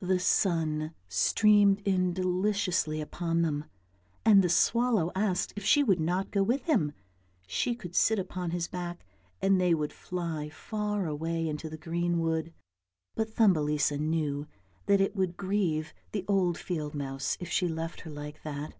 The sun streamed in deliciously upon them, and the swallow asked if she would not go with him, she could sit upon his back and they would fly far away into the green wood. But Thumbelisa knew THUMBELISA 75 that it would grieve the old field mouse if she left her like that.